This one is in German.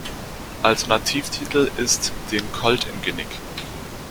Alternativtitel ist "Den Colt im Genick".